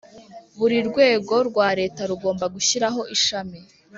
Buri rwego rwa Leta rugomba gushyiraho Ishami